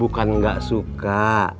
bukan gak suka